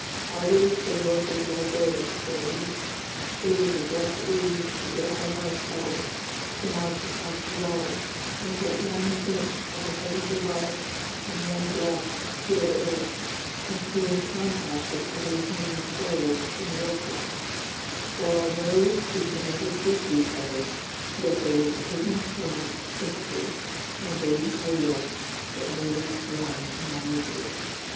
"Hard as the work is all day," said he, "it is a blessed relief to get out of our cells to march across the yard and get one glimpse of the heavens above, and one breath of pure air, and to be in contact with other human souls in the workshops, for, although we could never speak to each other, yet there was a hidden current of sympathy conveyed by look that made us one in our misery."